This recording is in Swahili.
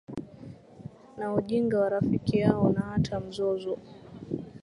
na ujinga wa rafiki yao Na hata mzozo